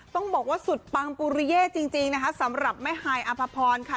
ต้องบอกว่าสุดปังปุริเย่จริงนะคะสำหรับแม่ฮายอภพรค่ะ